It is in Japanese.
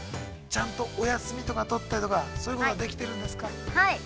ちゃんとお休みとかとったりとか、そういうことはできているんですか。